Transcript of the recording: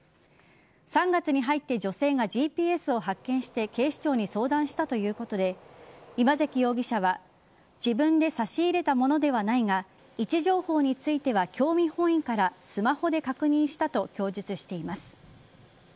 ３月に入って女性がＧＰＳを発見して警視庁に相談したということで今関容疑者は自分で差し入れたものではないが位置情報については興味本位からスマホで確認したと供述しています。